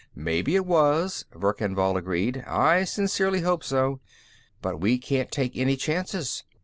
"Maybe it was," Verkan Vall agreed. "I sincerely hope so. But we can't take any chances.